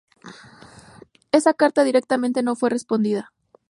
Esa carta directamente no fue respondida.